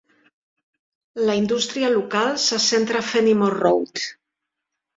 La indústria local se centra a Fenimore Road.